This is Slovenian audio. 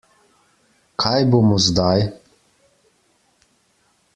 Kaj bomo zdaj?